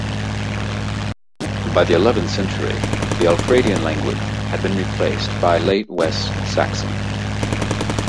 By the eleventh century, the Alfredian language had been replaced by Late West Saxon.